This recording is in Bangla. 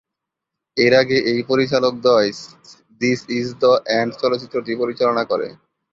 এর আগে এই পরিচালকদ্বয়, দিস ইজ দ্যা এন্ড চলচ্চিত্রটি পরিচালনা করে।